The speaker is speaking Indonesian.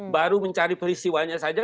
baru mencari peristiwanya saja